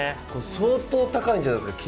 相当高いんじゃないですか